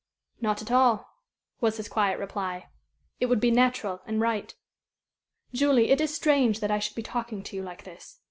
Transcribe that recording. "Not at all," was his quiet reply. "It would be natural and right. Julie, it is strange that I should be talking to you like this.